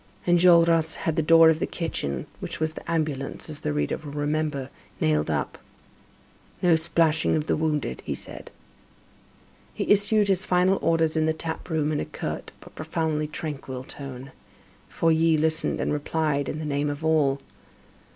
Enjolras had the door of the kitchen, which was the ambulance, as the reader will remember, nailed up. "No splashing of the wounded," he said. He issued his final orders in the tap room in a curt, but profoundly tranquil tone; Feuilly listened and replied in the name of all.